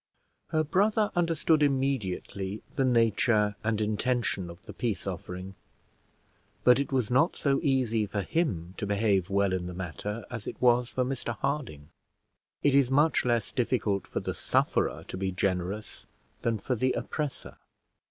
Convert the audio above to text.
Her brother understood immediately the nature and intention of the peace offering; but it was not so easy for him to behave well in the matter, as it was for Mr Harding. It is much less difficult for the sufferer to be generous than for the oppressor.